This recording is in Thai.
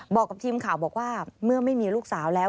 บอกกับทีมข่าวบอกว่าเมื่อไม่มีลูกสาวแล้ว